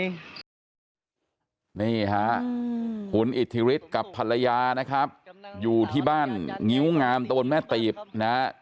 นี่ฮะคุณอิทธิฤทธิ์กับภรรยานะครับอยู่ที่บ้านงิ้วงามตะบนแม่ตีบนะฮะ